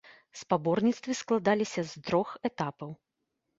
Спаборніцтвы складаліся з трох этапаў.